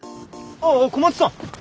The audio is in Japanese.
ああ小松さん！